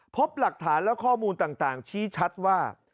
พบหลักฐานและข้อมูลต่างชี้ชัดว่า